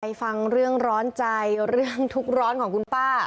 ฟังเรื่องร้อนใจเรื่องทุกข์ร้อนของคุณป้า